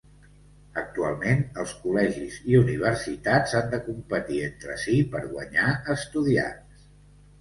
Actualment els col·legis i universitats han de competir entre si per guanyar estudiants.